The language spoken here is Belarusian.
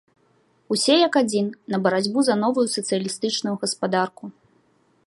Усе як адзін на барацьбу за новую сацыялістычную гаспадарку!